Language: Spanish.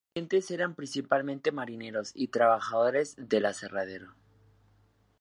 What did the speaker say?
Sus clientes eran principalmente marineros y trabajadores del aserradero.